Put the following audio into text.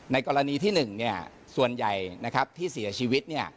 กรณีที่๑ส่วนใหญ่ที่เสียชีวิต